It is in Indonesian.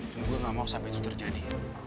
dan gue gak mau sampai itu terjadi